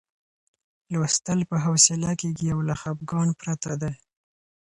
لوستل په حوصله کېږي او له خپګان پرته دی.